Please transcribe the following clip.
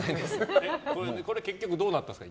これ結局どうなったんですか。